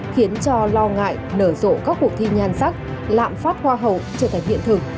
khiến cho lo ngại nở rộ các cuộc thi nhan sắc lạm phát hoa hậu trở thành hiện thực